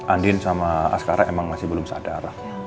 andin sama askara emang masih belum sadar